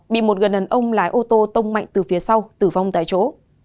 bị một người đàn ông lái ô tô tông mạnh từ phía sau tử vong tại chỗ